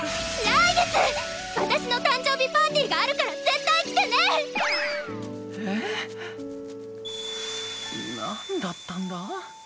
来月私の誕生日パーティーがあるから絶対来てね！へ⁉何だったんだ？